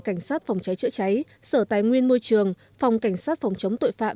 cảnh sát phòng cháy chữa cháy sở tài nguyên môi trường phòng cảnh sát phòng chống tội phạm